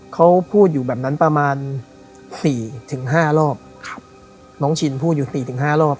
เขาพูดอยู่แบบนั้นประมาณสี่ถึงห้ารอบครับน้องชินพูดอยู่สี่ถึงห้ารอบ